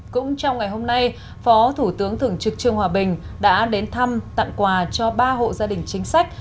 cũng trong ngày hôm nay phó thủ tướng thường trực trương hòa bình đã đến thăm tặng quà cho ba hộ gia đình chính sách